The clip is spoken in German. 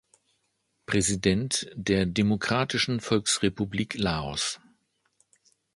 Präsident der Demokratischen Volksrepublik Laos.